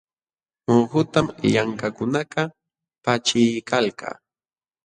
Muhutam llamkaqkunakaq paćhiykalka.